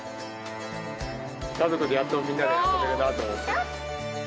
家族でやっとみんなで遊べるなと思って。